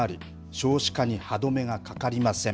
少子化に歯止めがかかりません。